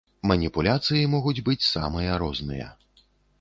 Маніпуляцыі могуць быць самыя розныя.